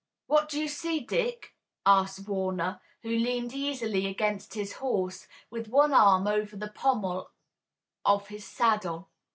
"What do you see, Dick?" asked Warner, who leaned easily against his horse, with one arm over the pommel of his saddle.